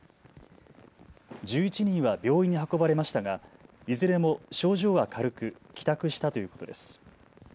１１人は病院に運ばれましたがいずれも症状は軽く帰宅したということです。